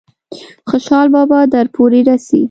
خوشحال بابا دور پورې رسي ۔